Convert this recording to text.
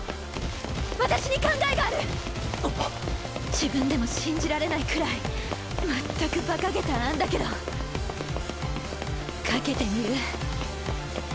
自分でも信じられないくらいまったくバカげた案だけど懸けてみる？